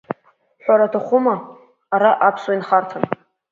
Ҳәара аҭахума, ара аԥсуа инхарҭан.